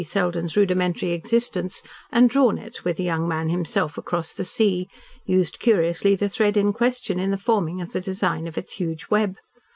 Selden's rudimentary existence and drawn it, with the young man himself, across the sea, used curiously the thread in question, in the forming of the design of its huge web.